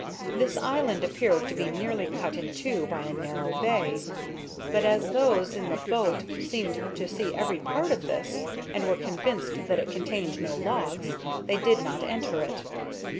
This island appeared to be nearly cut in two by a narrow bay; but as those in the boat seemed to see every part of this, and were convinced that it contained no logs, they did not enter it.